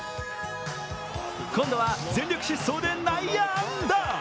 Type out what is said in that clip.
今度は全力疾走で内野安打。